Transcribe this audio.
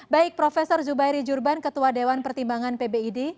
baik prof zubairi jurban ketua dewan pertimbangan pbid